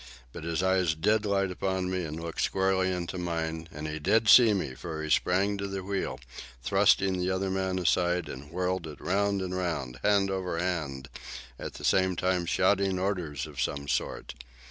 But his eyes did light upon me, and looked squarely into mine; and he did see me, for he sprang to the wheel, thrusting the other man aside, and whirled it round and round, hand over hand, at the same time shouting orders of some sort.